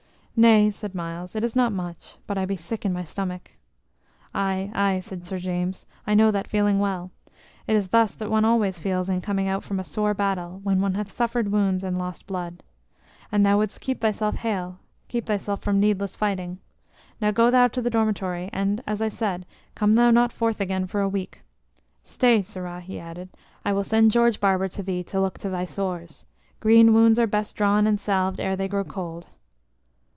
"Nay" said Myles, "it is not much; but I be sick in my stomach." "Aye, aye," said Sir James; "I know that feeling well. It is thus that one always feeleth in coming out from a sore battle when one hath suffered wounds and lost blood. An thou wouldst keep thyself hale, keep thyself from needless fighting. Now go thou to the dormitory, and, as I said, come thou not forth again for a week. Stay, sirrah!" he added; "I will send Georgebarber to thee to look to thy sores. Green wounds are best drawn and salved ere they grow cold."